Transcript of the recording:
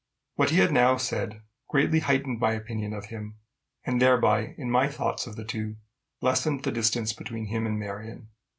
What he had now said, greatly heightened my opinion of him, and thereby, in my thoughts of the two, lessened the distance between him and Marion.